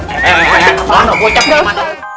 eh eh eh apaan kok ucapin aja